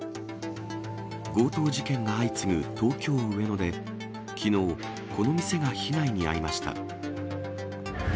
強盗事件が相次ぐ東京・上野で、きのう、この店が被害に遭いました。